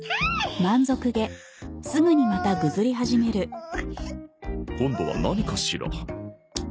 うう。今度は何かしら？